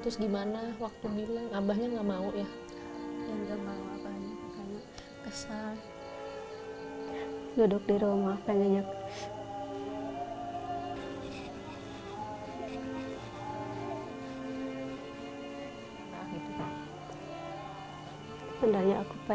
terus gimana waktu bilang abahnya gak mau ya